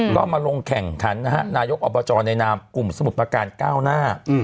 ก็มาลงแข่งขันนะฮะนายกอบจในนามกลุ่มสมุทรประการก้าวหน้า